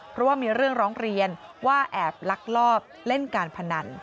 เพราะว่ามีเรื่องร้องเรียนว่าแอบลักลอบเล่นการพนัน